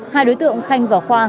hai đối tượng khanh và khoa